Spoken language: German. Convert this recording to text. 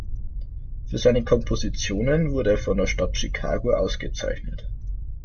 Für seine Kompositionen wurde er von der Stadt Chicago ausgezeichnet.